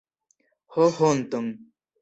Ho honton!